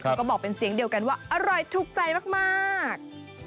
แล้วก็บอกเป็นเสียงเดียวกันว่าอร่อยถูกใจมาก